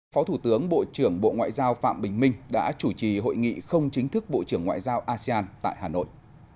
phó thủ tướng bộ trưởng bộ ngoại giao phạm bình minh đã chủ trì hội nghị không chính thức bộ trưởng ngoại giao asean tại hà nội